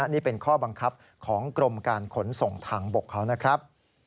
นี่เป็นข้อบังคับของกรมการขนส่งทางบกเขานะครับ